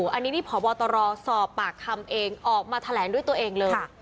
อันนี้นี่พบตรสอบปากคำเองออกมาแถลงด้วยตัวเองเลย